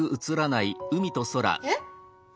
えっ！